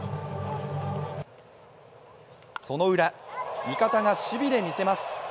そのウラ、味方が守備で見せます。